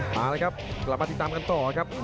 มาแล้วครับกลับมาติดตามกันต่อครับ